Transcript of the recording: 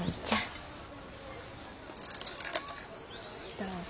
どうぞ。